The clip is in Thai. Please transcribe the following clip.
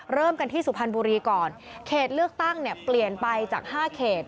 เริ่มกันที่สุพรรณบุรีก่อนเขตเลือกตั้งเนี่ยเปลี่ยนไปจาก๕เขต